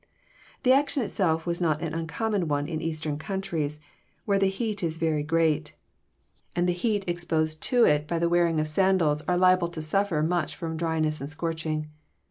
The action itself was not an uncommon one in Eastern coun tries, where the heat is very great, and the feet exposed to it by JOHNi CHAP. XII. 313 wearing sandals are liable to suffer much from dryness and scorching.